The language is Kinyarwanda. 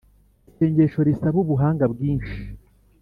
Isengesho risaba Ubuhanga bwinshi